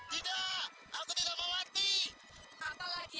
tidak aku tidak mau mati